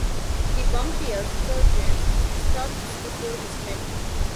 The bumptious sergeant struts before his men.